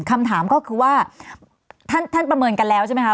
คำถามก็คือว่าท่านประเมินกันแล้วใช่ไหมคะ